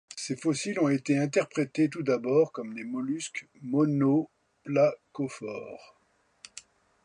Ces fossiles ont été interprétés tout d'abord comme des mollusques monoplacophores.